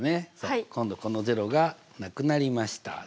今度この０がなくなりました。